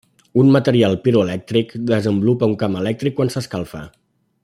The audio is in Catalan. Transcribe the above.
Un material piroelèctric desenvolupa un camp elèctric quan s'escalfa.